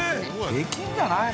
◆できんじゃないの。